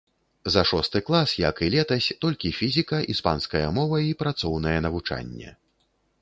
За шосты клас, як і летась, толькі фізіка, іспанская мова і працоўнае навучанне.